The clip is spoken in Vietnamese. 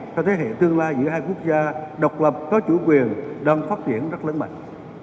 cho thế hệ tương lai giữa hai quốc gia độc lập có chủ quyền đang phát triển rất lớn mạnh